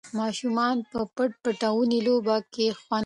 ماشومان په پټ پټوني لوبه کې خوند اخلي.